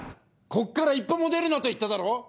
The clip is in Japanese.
こっから一歩も出るなと言っただろ！